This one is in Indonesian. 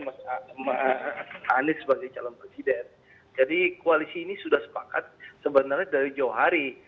mas anies sebagai calon presiden jadi koalisi ini sudah sepakat sebenarnya dari jauh hari